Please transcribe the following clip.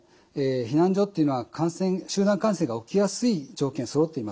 避難所というのは集団感染が起きやすい条件そろっています。